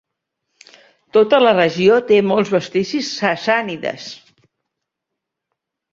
Tota la regió té molts vestigis sassànides.